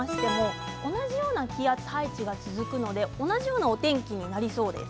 同じような気圧配置が続くので同じようなお天気になりそうです。